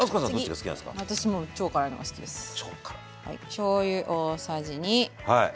しょうゆ大さじ２。